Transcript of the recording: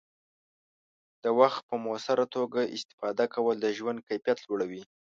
د وخت په مؤثره توګه استفاده کول د ژوند کیفیت لوړوي.